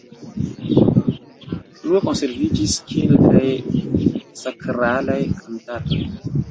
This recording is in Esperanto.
Plue konserviĝis kelkaj sakralaj kantatoj.